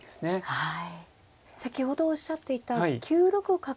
はい。